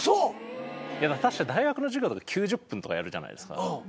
確か大学の授業とか９０分とかやるじゃないですか。